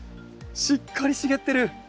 しっかり茂ってる。